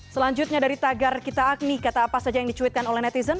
selanjutnya dari tagar kita agni kata apa saja yang dicuitkan oleh netizen